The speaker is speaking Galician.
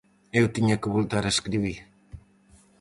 Eu tiña que voltar a escribir.